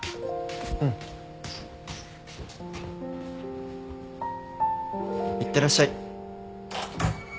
うん。いってらっしゃい。